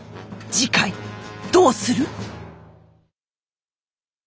次回どうする？